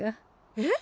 えっ？